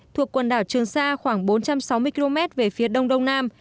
thuộc quần đảo trường sa khoảng bốn trăm sáu mươi km về phía đông đông nam